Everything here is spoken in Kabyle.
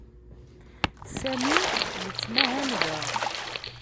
Sami yettmahal da.